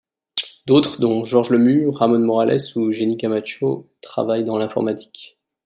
D'autres, dont George Lemus, Ramon Morales ou Jenny Camacho, travaillent dans l'informatique.